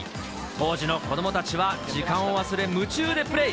当時の子どもたちは時間を忘れ、夢中でプレー。